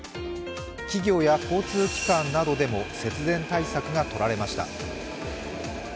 企業や交通機関などでも節電対策が取られました。